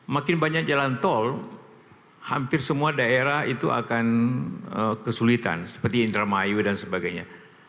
makin banyak jalan tol hampir semua daerah itu akan kesulitan seperti indramayu dan sebagainya